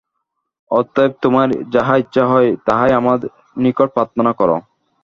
অতএব তোমার যাহা ইচ্ছা হয়, তাহাই আমার নিকট প্রার্থনা কর।